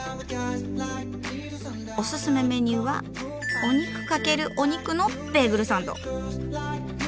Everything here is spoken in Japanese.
オススメメニューは「お肉×お肉」のベーグルサンド。